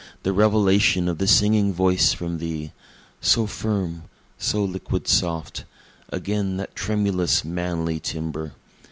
the revelation of the singing voice from thee! (So firm so liquid soft again that tremulous, manly timbre!